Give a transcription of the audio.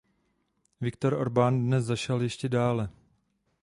Viktor Orbán dnes zašel ještě dále.